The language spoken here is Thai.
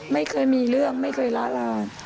ไม่เคยมีเรื่องไม่เคยล้าลาน